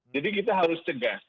jadi kita harus cegah